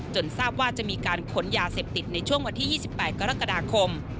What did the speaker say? ทราบว่าจะมีการขนยาเสพติดในช่วงวันที่๒๘กรกฎาคม